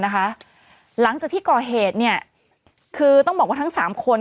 หลังจากที่ก่อเหตุคือต้องบอกว่าทั้ง๓คน